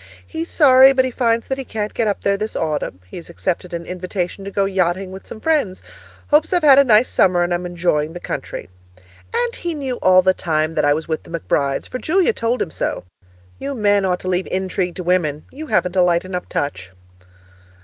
He's sorry, but he finds that he can't get up there this autumn; he has accepted an invitation to go yachting with some friends. Hopes I've had a nice summer and am enjoying the country. And he knew all the time that I was with the McBrides, for Julia told him so! You men ought to leave intrigue to women; you haven't a light enough touch.